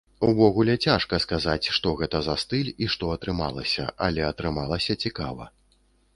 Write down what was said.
Увогуле цяжка сказаць, што гэта за стыль і што атрымалася, але атрымалася цікава.